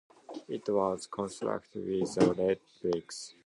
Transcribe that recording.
It was constructed with red bricks.